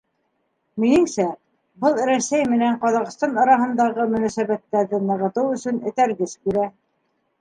Минеңсә, был Рәсәй менән Ҡаҙағстан араһындағы мөнәсәбәттәрҙе нығытыу өсөн этәргес бирә.